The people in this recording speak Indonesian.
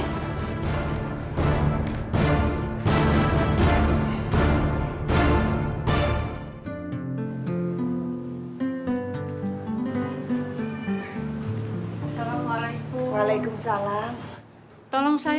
bang effectively ya ibu ya kamu pencuri